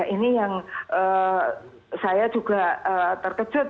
ini yang saya juga terkejut